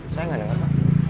saya nggak dengar pak